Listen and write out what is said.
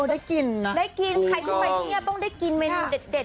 ได้กินนะได้กินใครที่ไปที่นี่ต้องได้กินเมนูเด็ด